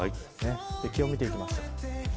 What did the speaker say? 気温を見ていきましょう。